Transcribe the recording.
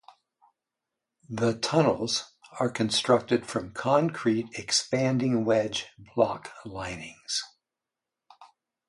The tunnels are constructed from concrete expanding wedge block linings.